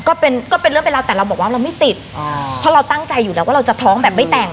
ก็เป็นก็เป็นเรื่องเป็นราวแต่เราบอกว่าเราไม่ติดอ่าเพราะเราตั้งใจอยู่แล้วว่าเราจะท้องแบบไม่แต่ง